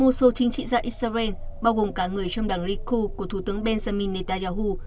một số chính trị gia israel bao gồm cả người trong đảng riku của thủ tướng benjamin netanyahu